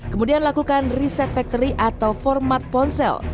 kemudian lakukan riset factory atau format ponsel